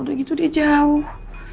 udah gitu dia jauh